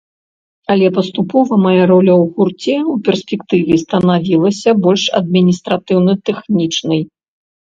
Але паступова мая роля ў гурце ў перспектыве станавілася больш адміністратыўна-тэхнічнай.